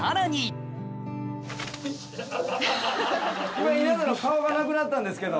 今稲田の顔がなくなったんですけど。